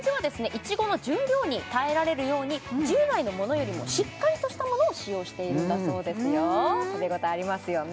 いちごの重量に耐えられるように従来のものよりもしっかりとしたものを使用しているんだそうですよ食べ応えありますよね